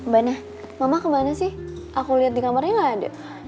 bana mama kemana sih aku lihat di kamarnya gak ada